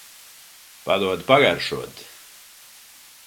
Padod pagaršot.